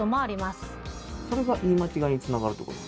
それが言い間違いにつながるってこと？